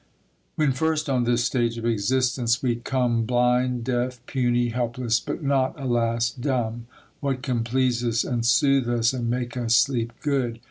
When first on this stage of existence we come Blind, deaf, puny, helpless, but not, alas, dumb, What can please us, and soothe us, and make us sleep good?